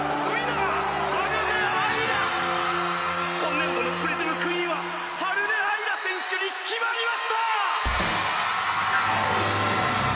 今年度のプリズムクイーンは春音あいら選手に決まりました！